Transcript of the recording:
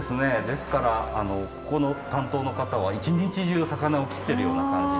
ですからここの担当の方は一日中魚を切ってるような感じになります。